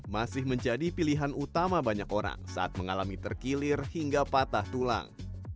masih menjadi pilihan utama banyak orang saat mengalami terkilir hingga patah tulang